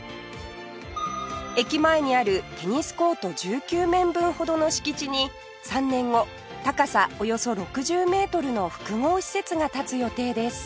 駅前にあるテニスコート１９面分ほどの敷地に３年後高さおよそ６０メートルの複合施設が建つ予定です